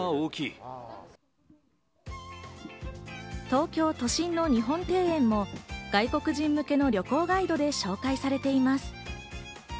東京都心の日本庭園も外国人向けの旅行ガイドで紹介されています。